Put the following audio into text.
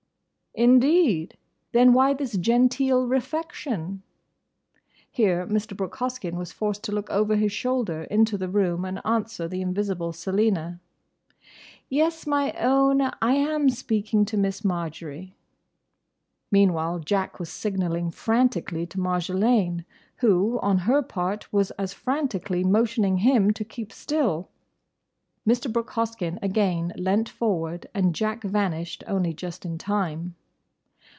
"Indeed?—Then why this genteel refection?" Here Mr. Brooke Hoskyn was forced to look over his shoulder into the room and answer the invisible Selina. "Yes, my own. I am speaking to Miss Marjory." Meanwhile Jack was signalling frantically to Marjolaine, who, on her part, was as frantically motioning him to keep still. Mr. Brooke Hoskyn again leant forward, and Jack vanished only just in time.